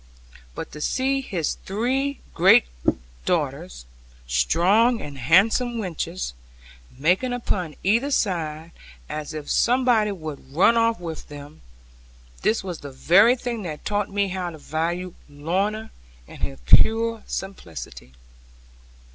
But to see his three great daughters, strong and handsome wenches, making upon either side, as if somebody would run off with them this was the very thing that taught me how to value Lorna, and her pure simplicity.